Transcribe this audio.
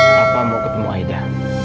papa mau ketemu aida